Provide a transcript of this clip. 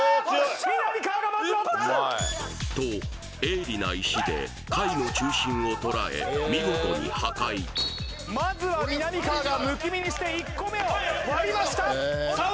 と鋭利な石で貝の中心を捉え見事に破壊まずはみなみかわがむき身にして１個目を割りましたさあ